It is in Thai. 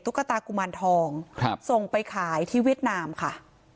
ตากุมารทองครับส่งไปขายที่เวียดนามค่ะ